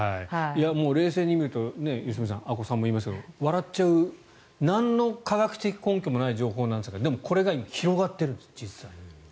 冷静に見ると良純さん阿古さんも言いましたが笑っちゃうなんの科学的根拠もない情報なんですがでも、これが今広がっているんです、実際に。